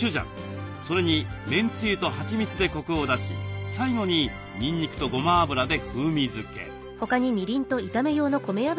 それにめんゆつとはちみつでコクを出し最後ににんにくとごま油で風味付け。